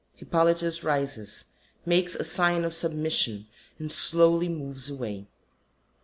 [HIPPOLYTUS _rises, makes a sign of submission, and slowly moves away.